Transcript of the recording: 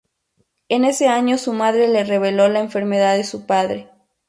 En ese año su madre le reveló la enfermedad de su padre.